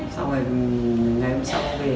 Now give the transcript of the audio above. xong rồi ngày hôm sau cũng về